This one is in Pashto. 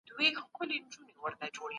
نور نو ښايست پر جانان هم نه ځايدوونه